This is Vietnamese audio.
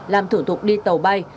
làm thủ thuộc đi tàu bay